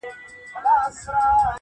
هم ښکنځلي پکښي وسوې هم جنګونه-